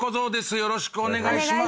よろしくお願いします。